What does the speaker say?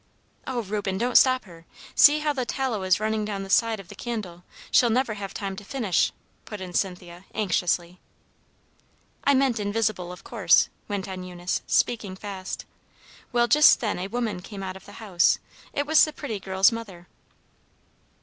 "Oh, Reuben, don't stop her! See how the tallow is running down the side of the candle! She'll never have time to finish," put in Cynthia, anxiously. "I meant 'invisible,' of course," went on Eunice, speaking fast. "Well, just then a woman came out of the house. It was the pretty girl's mother.